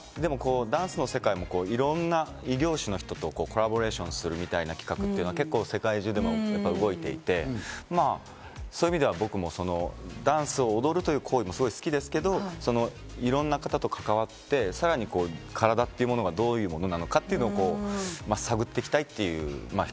いろんな異業種の方とコラボレーションする機会というのは世界中でも動いていて、そういう意味では僕もダンスを踊る行為もすごく好きですけど、いろんな方と関わってさらに体というものがどういうものなのかというのを探っていきたい。